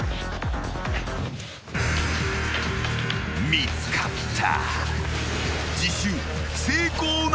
［見つかった］